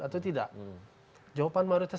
atau tidak jawaban mayoritas